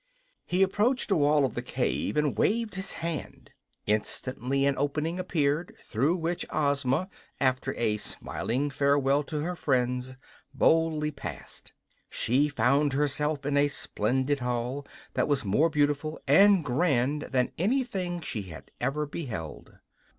He approached a wall of the cave and waved his hand. Instantly an opening appeared, through which Ozma, after a smiling farewell to her friends, boldly passed. She found herself in a splendid hall that was more beautiful and grand than anything she had ever beheld.